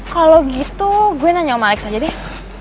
kalau gitu gue nanya sama alex aja deh